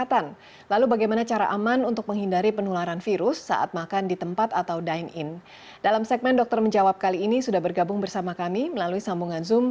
dalam segmen dokter menjawab kali ini sudah bergabung bersama kami melalui sambungan zoom